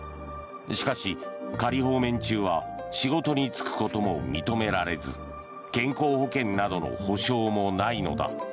しかし、仮放免中は仕事に就くことも認められず健康保険などの保証もないのだ。